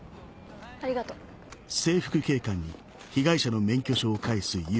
ありがとう。あれ？